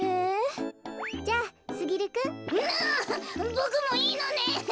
ボクもいいのね。